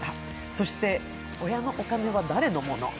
そして、「親のお金は誰のもの」。